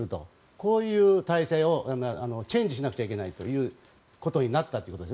こういう体制をチェンジしなくちゃいけないということになったということです。